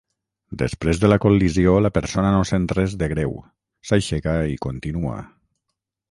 Després de la col·lisió la persona no sent res de greu, s'aixeca i continua.